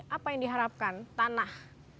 apa yang diharapkan tanah